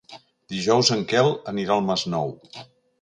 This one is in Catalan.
Dijous en Quel anirà al Masnou.